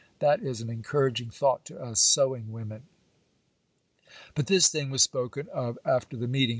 That is an encouraging thought to us sewing women. 'But this thing was spoken of after the meeting.